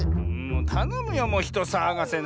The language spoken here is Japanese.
たのむよもうひとさわがせな。